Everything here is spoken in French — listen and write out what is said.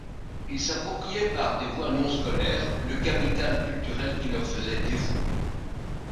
Ils s'appropriaient par des voies non scolaires le capital culturel qui leur faisait défaut.